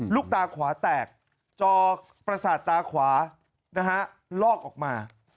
ลูกตาขวาแตกจอประสาทตาขวานะฮะลอกออกมา